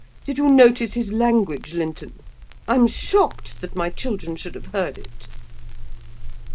Did you notice his language, Linton? I'm shocked that my children should have heard it.